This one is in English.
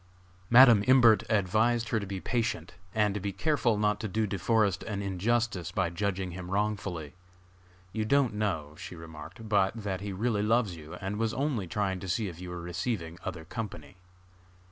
Madam Imbert advised her to be patient, and to be careful not to do De Forest an injustice by judging him wrongfully. "You don't know," she remarked, "but that he really loves you, and was only trying to see if you were receiving other company."